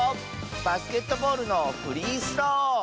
バスケットボールのフリースロー！